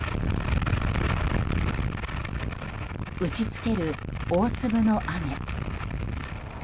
打ち付ける大粒の雨。